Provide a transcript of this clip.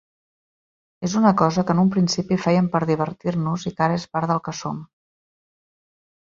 És una cosa que en un principi fèiem per divertir-nos i que ara és part del que som.